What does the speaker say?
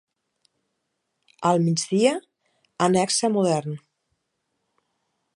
Al migdia, annexa modern.